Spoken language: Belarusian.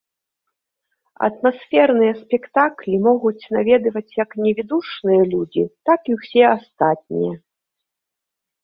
Атмасферныя спектаклі могуць наведваць як невідушчыя людзі, так і ўсе астатнія.